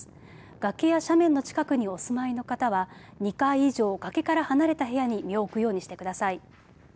崖や斜面の近くにお住まいの方は２階以上、崖から離れた部屋に身を置くようにしてください。